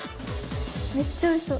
めっちゃおいしそう。